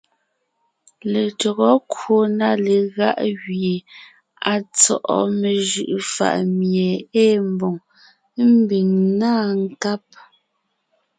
Letÿɔgɔ kwò na legáʼ gẅie à tsɔ́ʼɔ mejʉʼʉ fàʼ mie ée mbòŋ, ḿbiŋ ńná nkáb,